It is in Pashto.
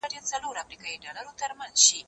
زه کولای سم سیر وکړم؟!